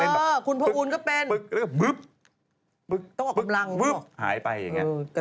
ต้องออกกำลัง